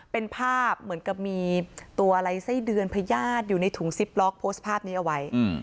เป็นภาพเหมือนกับมีตัวอะไรไส้เดือนพญาติอยู่ในถุงซิปล็อกโพสต์ภาพนี้เอาไว้